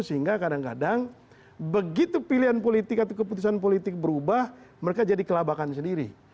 sehingga kadang kadang begitu pilihan politik atau keputusan politik berubah mereka jadi kelabakan sendiri